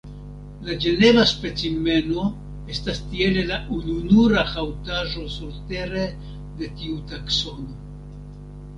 La ĝeneva specimeno estas tiele la ununura haŭtaĵo surtere de tiu taksono.